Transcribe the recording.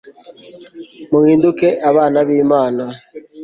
muhinduke abana b'imana